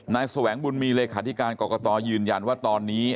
แสวงบุญมีเลขาธิการกรกตยืนยันว่าตอนนี้